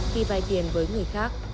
khi vai tiền với người khác